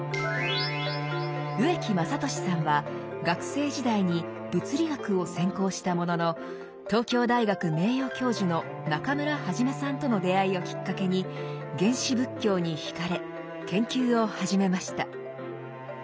植木雅俊さんは学生時代に物理学を専攻したものの東京大学名誉教授の中村元さんとの出会いをきっかけに原始仏教に惹かれ研究を始めました。